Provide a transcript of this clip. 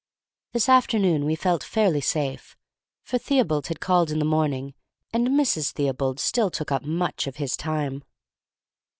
This afternoon we felt fairly safe, for Theobald had called in the morning, and Mrs. Theobald still took up much of his time.